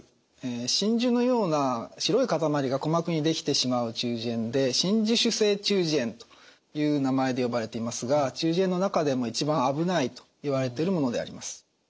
真珠のような白い塊が鼓膜に出来てしまう中耳炎で真珠腫性中耳炎という名前で呼ばれていますが中耳炎の中でも一番危ないといわれてるものであります。